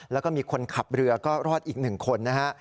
แล้วก็มีคนขับเรือก็รอดอีก๑คนนะฮะ